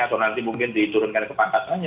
atau nanti mungkin diturunkan ke pangkatannya